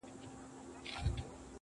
تر شا مي زر نسلونه پایېدلې، نور به هم وي